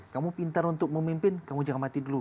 kamu pintar untuk memimpin kamu jangan mati dulu